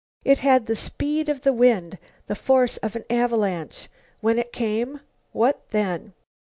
It had the speed of the wind, the force of an avalanche. When it came, what then?